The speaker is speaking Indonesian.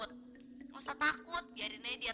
dis sketch padanya